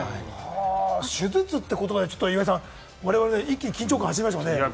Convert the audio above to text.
手術というのは我々、一気に緊張感が走りましたもんね。